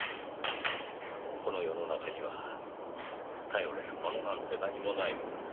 この世の中には頼れるものなんて何もない。